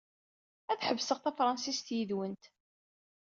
Ad ḥebseɣ tafṛansit yid-went.